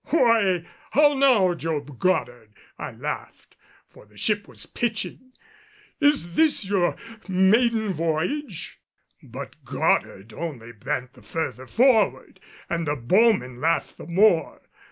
"Why, how now, Job Goddard," I laughed for the ship was pitching "is this your maiden voyage?" But Goddard only bent the further forward, and the bowmen laughed the more.